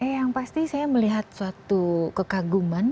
yang pasti saya melihat suatu kekaguman